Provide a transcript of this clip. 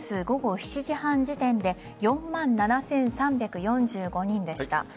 午後７時半時点で４万７３４５人でした。